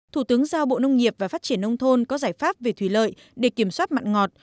thủ tướng giao bộ nông nghiệp và phát triển nông thôn có giải pháp về thủy lợi để kiểm soát mặn ngọt